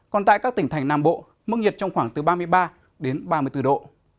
còn tại các tỉnh thành nam bộ mức nhiệt trong khoảng từ ba mươi ba đến ba mươi bốn độ